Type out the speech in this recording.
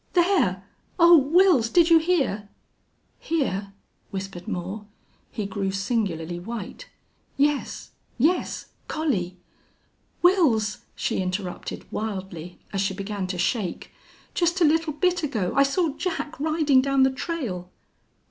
"There!... Oh, Wils! Did you hear?" "Hear!" whispered Moore. He grew singularly white. "Yes yes!... Collie " "Wils," she interrupted, wildly, as she began to shake. "Just a little bit ago I saw Jack riding down the trail!"